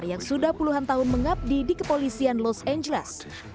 yang sudah puluhan tahun mengabdi di kepolisian los angeles